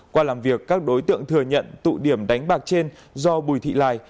qua làm việc các đối tượng thừa nhận tụ điểm đánh bạc trên do bùi thị lai